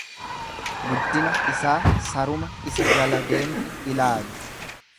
Guddina isaa saruma isa jala deemtu ilaali.